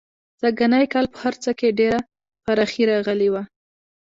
سږنی کال په هر څه کې ډېره پراخي راغلې وه.